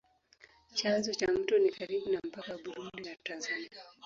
Chanzo cha mto ni karibu na mpaka wa Burundi na Tanzania.